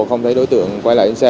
không thấy đối tượng quay lại lên xe